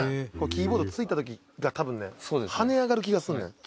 「キーボード付いた時が多分ね跳ね上がる気がすんねん」